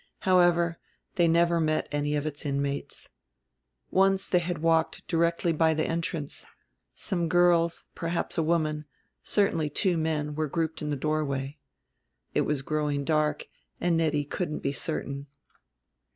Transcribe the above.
However, they never met any of its inmates. Once they had walked directly by the entrance; some girls, perhaps a woman, certainly two men, were grouped in the doorway: it was growing dark and Nettie couldn't be certain.